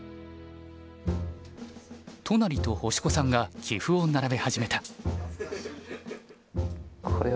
都成と星子さんが棋譜を並べ始めた。